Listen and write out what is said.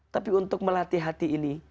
tapi untuk melatih hati ini